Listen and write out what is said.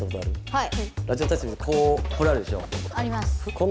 はい。